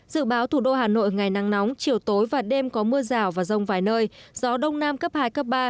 dự báo thủ đô hà nội ngày nắng nóng chiều tối và đêm có mưa rào và rông vài nơi gió đông nam cấp hai cấp ba